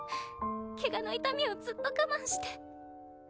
ケガの痛みをずっと我慢して。